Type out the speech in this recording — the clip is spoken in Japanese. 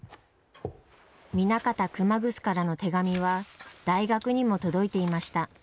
南方熊楠からの手紙は大学にも届いていました。